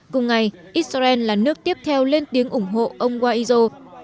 cùng ngày israel là nước tiếp theo lên tiếng ủng hộ ông guaido